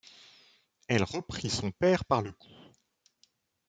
Et elle reprit son père par le cou.